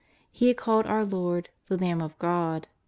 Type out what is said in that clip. He had called our Lord " the L*tmb of God."